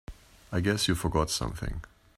I guess you forgot something.